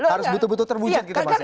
harus butuh butuh terwujud gitu mas